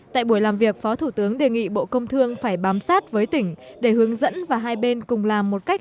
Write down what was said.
tại buổi làm việc phó thủ tướng đề nghị bộ công thương phải bám sát với tỉnh để hướng dẫn và hai bên cùng làm một cách